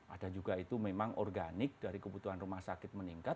ada juga itu memang organik dari kebutuhan rumah sakit meningkat